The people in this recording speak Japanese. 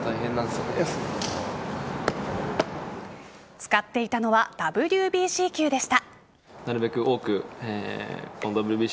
使っていたのはＷＢＣ球でした。